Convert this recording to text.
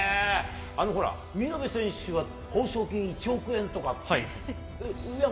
あのほら、見延選手は報奨金１億円とかって。